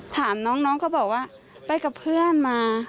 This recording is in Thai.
ถามน้องก็บอกว่าไปกับเพื่อนมา